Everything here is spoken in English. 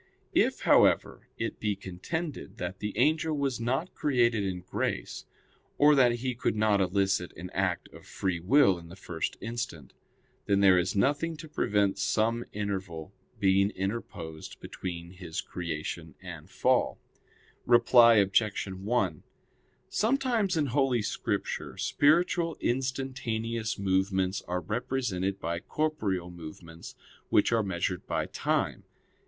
If, however, it be contended that the angel was not created in grace, or that he could not elicit an act of free will in the first instant, then there is nothing to prevent some interval being interposed between his creation and fall. Reply Obj. 1: Sometimes in Holy Scripture spiritual instantaneous movements are represented by corporeal movements which are measured by time.